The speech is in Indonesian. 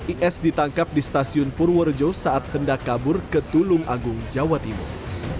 is ditangkap di stasiun purworejo saat hendak kabur ke tulung agung jawa timur